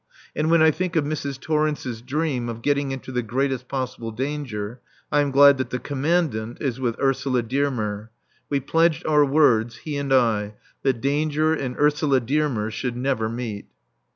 And when I think of Mrs. Torrence's dream of getting into the greatest possible danger, I am glad that the Commandant is with Ursula Dearmer. We pledged our words, he and I, that danger and Ursula Dearmer should never meet.